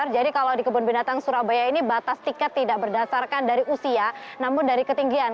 jadi kalau di kebun binatang surabaya ini batas tiket tidak berdasarkan dari usia namun dari ketinggian